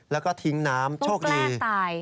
แล้วก็ทิ้งน้ำโชคดีต้องแกล้งตาย